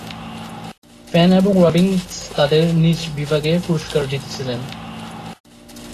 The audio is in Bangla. পেন এবং রবিন্স তাঁদের নিজ বিভাগে পুরস্কার জিতেছিলেন।